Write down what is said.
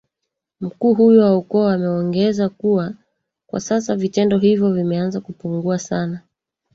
Mkuu huyo wa ukoo ameongeza kuwa kwa sasa vitendo hivyo vimeanza kupungua sana